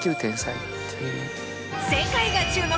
世界が注目